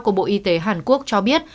của bộ y tế hàn quốc cho biết